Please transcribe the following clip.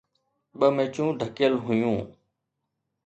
ٻه ميچون ڍڪيل هيون.